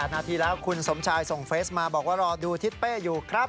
นาทีแล้วคุณสมชายส่งเฟสมาบอกว่ารอดูทิศเป้อยู่ครับ